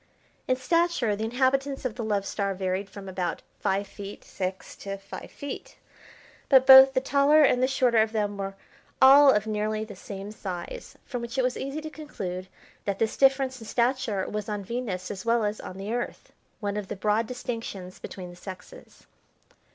In stature the inhabitants of the Love Star varied from about five feet six to five feet, but both the taller and the shorter of them were all of nearly the same size, from which it was easy to conclude that this difference in stature was on Venus as well as on the Earth, one of the broad distinctions between the sexes.